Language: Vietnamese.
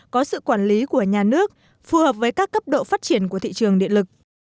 có sự quản lý của nhà nước phù hợp với các cấp độ phát triển của thị trường điện lực